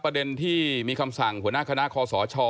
ประเด็นที่มีคำสั่งหัวหน้าคณะคอสช